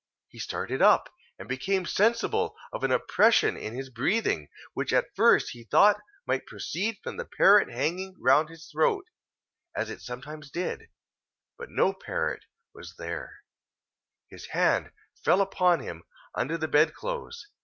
He started up, and became sensible of an oppression in his breathing, which at first he thought might proceed from the parrot hanging round his throat, as it sometimes did; but no parrot was there—his hand fell upon him under the bedclothes.